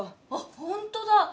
あっほんとだ。